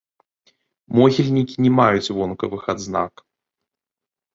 Могільнікі не маюць вонкавых адзнак.